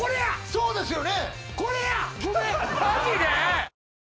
そうですよね